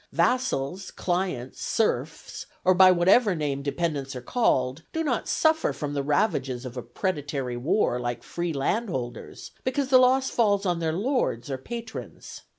Vassals, clients, serfs, or by whatever name dependents are called, do not suffer from the ravages of a predatory war like free landholders, because the loss falls on their lords or patrons.